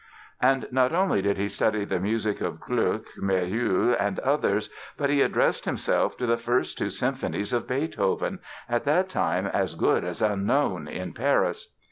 And not only did he study the music of Gluck, Méhul and others but he addressed himself to the first two symphonies of Beethoven, at that time as good as unknown in Paris.